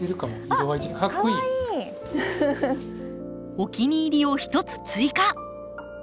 お気に入りを１つ追加！